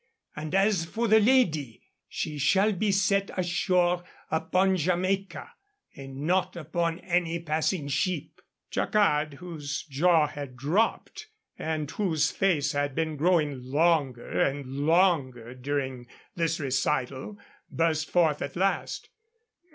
And as for the lady, she shall be set ashore upon Jamaica, and not upon any passing ship." Jacquard, whose jaw had dropped, and whose face had been growing longer and longer during this recital, burst forth at last.